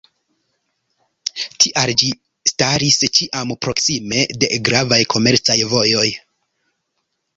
Tial ĝi staris ĉiam proksime de gravaj komercaj vojoj.